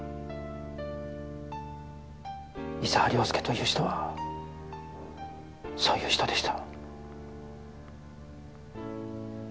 伊沢良介という人はそういう人でした。